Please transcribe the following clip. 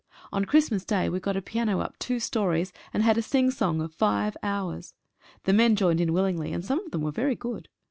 On Christmas day we got a piano up two stories, and had a sing song of five hours. The men joined in willingly, and some of them were very good.